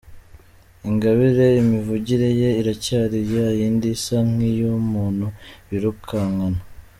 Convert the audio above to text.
Ingabire imivugire ye iracyari ya yindi isa nk’iy’umuntu birukankana.